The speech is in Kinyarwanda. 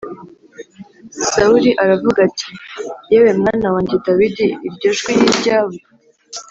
Sawuli aravuga ati “Yewe mwana wanjye Dawidi, iryo jwi ni iryawe?”